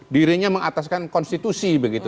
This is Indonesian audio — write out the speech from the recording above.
dirinya mengataskan konstitusi begitu